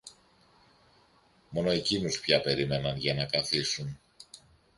Μόνο εκείνους πια περίμεναν για να καθίσουν.